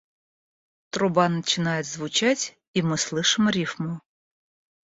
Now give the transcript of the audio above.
Труба начинает звучать и мы слышим рифму.